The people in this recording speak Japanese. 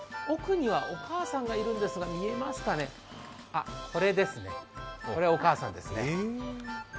奥にはお母さんがいるんですが、見えますかね、これですね、これお母さんですね。